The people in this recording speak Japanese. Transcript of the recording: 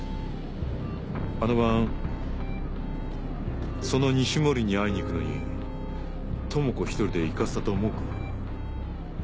あの晩その西森に会いに行くのに智子一人で行かせたと思うか？